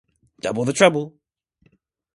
Double the trouble!